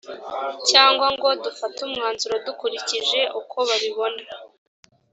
cyangwa ngo dufate umwanzuro dukurikije uko babibona